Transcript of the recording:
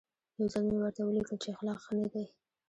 یو ځل مې ورته ولیکل چې اخلاق ښه نه دي.